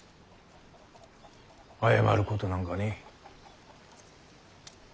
謝ることなんかねぇ。